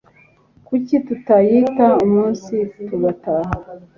Kuki tutayita umunsi tugataha?